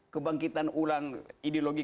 kebangkitan ulang ideologi